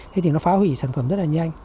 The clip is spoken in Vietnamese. thế thì nó phá hủy sản phẩm rất là nhanh